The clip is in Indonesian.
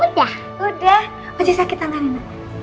udah udah ojek sakit angka rena